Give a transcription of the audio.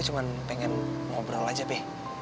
cuma pengen ngobrol aja deh